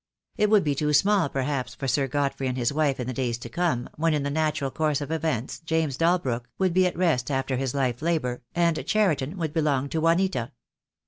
It wTould be too small perhaps for Sir Godfrey and his wife in the days to come, when in the natural course of events James Dalbrook would be at rest after his life labour, and Cheriton would belong to Juanita.